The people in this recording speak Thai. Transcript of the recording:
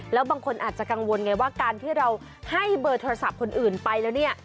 แล้วบางคนอาจจะกังวลไงว่าการที่เราให้เบอร์โทรศัพท์คนอื่นไปแล้วเนี่ย